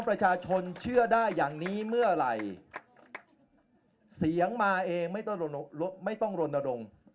ประชาชนเชื่อได้อย่างนี้เมื่อไหร่เสียงมาเองไม่ต้องไม่ต้องรณรงค์